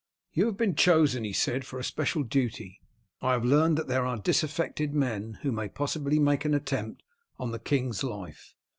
"You have been chosen," he said, "for a special duty. I have learned that there are disaffected men who may possibly make an attempt on the king's life.